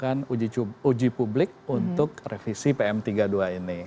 dan juga untuk uji publik untuk revisi pm tiga puluh dua ini